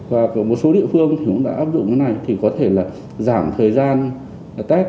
và có một số địa phương cũng đã áp dụng cái này thì có thể là giảm thời gian test